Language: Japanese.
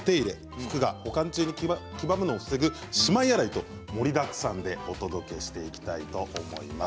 服が保管中に黄ばむのを防ぐしまい洗いと盛りだくさんでお届けしていきたいと思います。